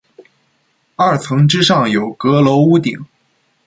二层之上有阁楼屋顶。